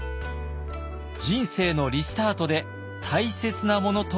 人生のリスタートで大切なものとは何か。